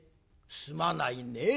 「すまないねえ。